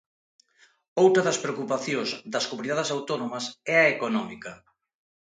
Outra das preocupacións das comunidades autónomas é a económica.